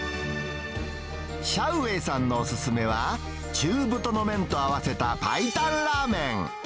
シャウ・ウェイさんのお勧めは、中太の麺と合わせたパイタンラーメン。